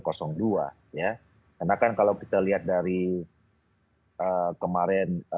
karena kan kalau kita lihat dari kemarin dalam kompetisi sivil